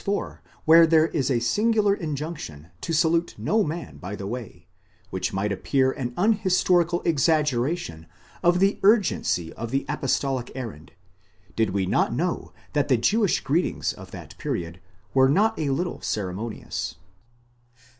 4, where there is the singular injunction to salute no man by the way, which might appear an unhistorical exaggeration of the urgency of the apostolic errand, did we not know that the Jewish greetings of that period were not a little cere monious.